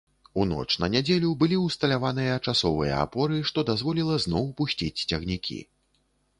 У ноч на нядзелю былі ўсталяваныя часовыя апоры, што дазволіла зноў пусціць цягнікі.